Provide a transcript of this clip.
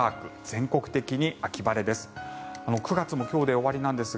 全国的に秋晴れです。